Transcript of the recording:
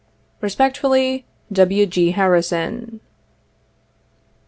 " Respectfully, " W. G. HARRISON."